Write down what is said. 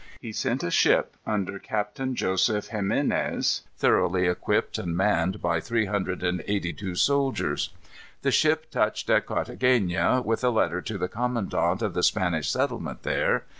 He sent a ship, under Captain Joseph Ximines, thoroughly equipped, and manned by three hundred and eighty two soldiers. The ship touched at Carthagena, with a letter to the commandant of the Spanish settlement there.